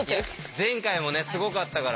前回もすごかったから。